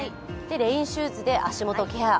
レインシューズで足元ケア。